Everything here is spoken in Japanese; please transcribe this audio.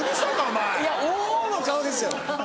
いや「おぉ」の顔ですよ。